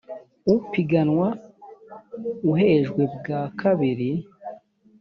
upiganwa uhejwe bwa kabiri